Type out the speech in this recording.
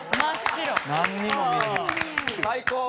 最高！